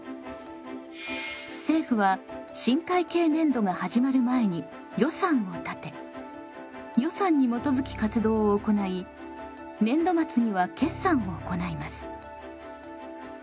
政府は新会計年度が始まる前に予算を立て予算にもとづき活動を行い年度末には決算を行います。